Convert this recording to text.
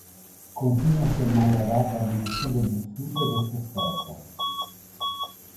Continua semmai a dare la dimensione del vissuto e del sofferto.